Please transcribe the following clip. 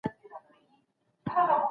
خپلي پیسې د راتلونکي لپاره پس انداز کړئ.